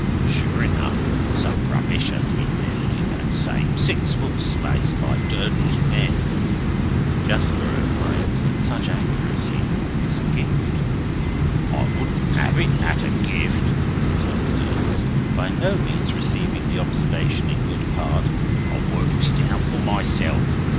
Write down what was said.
Sure enough, some rubbish has been left in that same six foot space by Durdles's men!" Jasper opines that such accuracy "is a gift." "I wouldn't have it at a gift," returns Durdles, by no means receiving the observation in good part. "I worked it out for myself.